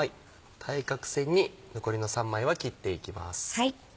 対角線に残りの３枚は切っていきます。